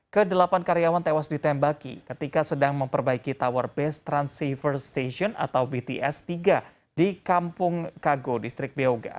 kedelapan karyawan tewas ditembaki ketika sedang memperbaiki tower base transceiver station atau bts tiga di kampung kago distrik beoga